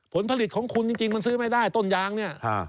ผลผลิตของคุณจริงมันซื้อไม่ได้ต้นยางเนี่ย